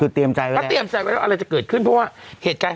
คือเตรียมใจแล้วก็เตรียมใจไว้แล้วอะไรจะเกิดขึ้นเพราะว่าเหตุการณ์